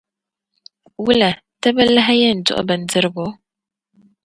Wula, ti bɛ lahi yɛn duhi bindirgu?